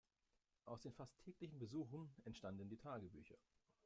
Aus den fast täglichen Besuchen entstanden die Tagebücher.